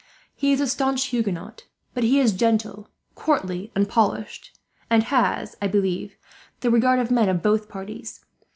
He is a staunch Huguenot, but he is gentle, courtly, and polished; and has, I believe, the regard of men of both parties.